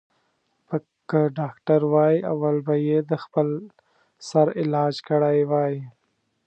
ـ پک که ډاکتر وای اول به یې د خپل سر علاج کړی وای.